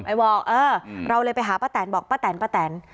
ไปบอกเออเราเลยไปหาป้าแตนบอกป้าแตนป้าแตน